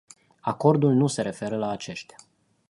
Acordul nu se referă la aceștia.